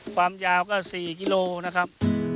ความยาวก็๔กิโลนะครับ